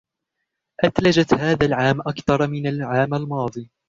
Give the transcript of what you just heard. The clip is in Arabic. أثلجت هذا العام أكثر من العام الماضي.